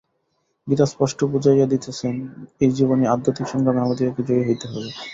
গীতা স্পষ্ট বুঝাইয়া দিতেছেন, এই জীবনেই আধ্যাত্মিক সংগ্রামে আমাদিগকে জয়ী হইতে হইবে।